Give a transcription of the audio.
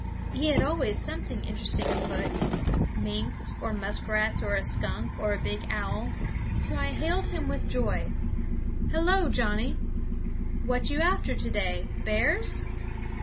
He had always something interesting afoot, minks, or muskrats, or a skunk, or a big owl, so I hailed him with joy. "Hello, Johnnie! what you after to day bears?"